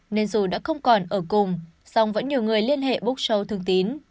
nên dù đã không còn ở cùng song vẫn nhiều người liên hệ búc show thường tín